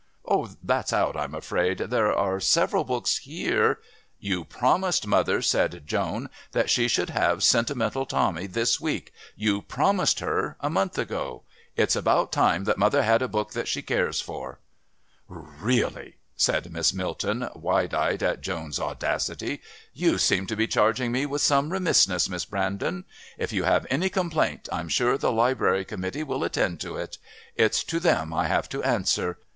"Oh, that's out, I'm afraid. There are several books here " "You promised mother," said Joan, "that she should have Sentimental Tommy this week. You promised her a month ago. It's about time that mother had a book that she cares for." "Really," said Miss Milton, wide eyed at Joan's audacity. "You seem to be charging me with some remissness, Miss Brandon. If you have any complaint, I'm sure the Library Committee will attend to it. It's to them I have to answer.